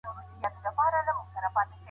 صريح طلاق دادی هغه لفظ دی.